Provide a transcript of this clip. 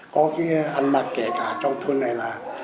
có cái ăn mặc kể cả trong thun này là